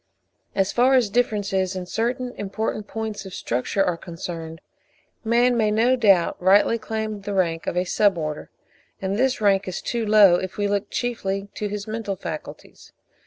As far as differences in certain important points of structure are concerned, man may no doubt rightly claim the rank of a Sub order; and this rank is too low, if we look chiefly to his mental faculties.